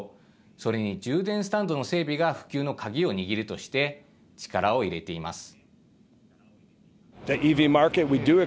それに充電スタンドの整備が普及の鍵を握るとして力を入れています。